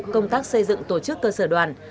công tác xây dựng tổ chức cơ sở đoàn